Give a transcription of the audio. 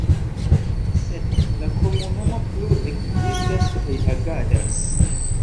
Sed la komunumo plu ekzistas kaj agadas.